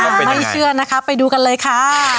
ไม่เชื่อนะคะไปดูกันเลยค่ะ